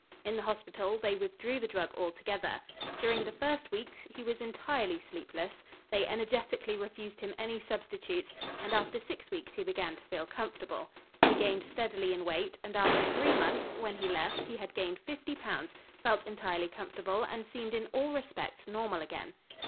In the hospital they withdrew the drug altogether. During the first weeks, he was entirely sleepless. They energetically refused him any substitutes and after six weeks he began to feel comfortable. He gained steadily in weight and after three months, when he left, he had gained fifty pounds, felt entirely comfortable, and seemed in all respects normal again.